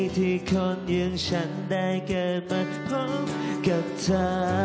ที่คนอย่างฉันได้เกิดมาพร้อมกับเธอ